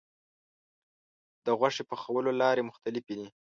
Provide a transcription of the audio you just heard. د غوښې پخولو لارې مختلفې دي.